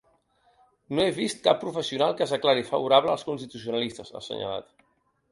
No he vist cap professional que es declari favorable als constitucionalistes, ha assenyalat.